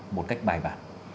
một cách bài bản